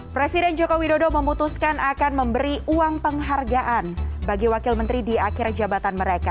presiden joko widodo memutuskan akan memberi uang penghargaan bagi wakil menteri di akhir jabatan mereka